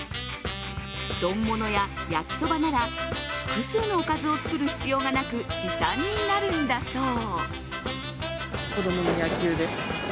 丼物や焼きそばなら複数のおかずを作る必要がなく時短になるんだそう。